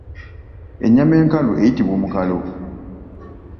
Ennyama enkalu eyitibwa omukalo